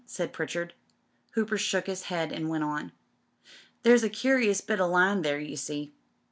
said Pritchard. Hooper shook his head and went on: "There's a curious bit o' line there, you see.